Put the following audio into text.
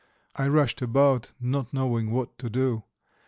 I rushed about not knowing what to do.